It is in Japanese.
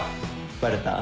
バレた？